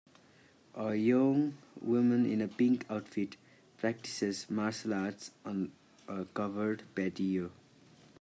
A young woman in a pink outfit practices martial arts on a covered patio.